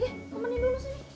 kemenin dulu sini